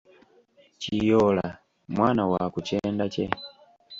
Kiyoola mwana wa ku kyenda kye.